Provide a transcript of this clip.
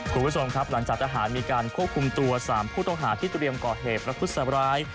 คุณผู้ชมครับหลังจากทหารมีการควบคุมตัว๓ผู้ต้องหาที่เตรียมก่อเหตุประทุษร้าย